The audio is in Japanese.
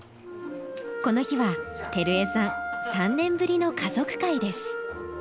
この日は光衞さん３年ぶりの家族会です。